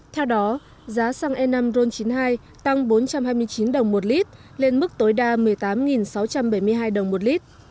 theo đó giá xăng e năm ron chín mươi hai tăng bốn trăm hai mươi chín đồng một lít lên mức tối đa một mươi tám sáu trăm bảy mươi hai đồng một lít